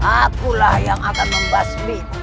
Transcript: akulah yang akan membasmi